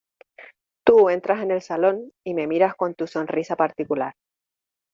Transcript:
Tú entras en el salón y me miras con tu sonrisa particular.